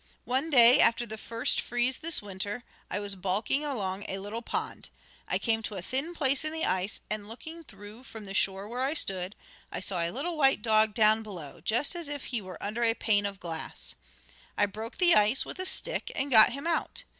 One day, after the first freeze this winter, I was Balking along a little pond. I came to a thin place in the ice, and looking through, from the shore where I stood, I saw a little white dog down below, just as if he were under a pane of glass. "I broke the ice with a stick and got him out.